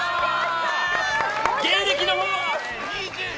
芸歴のほどは？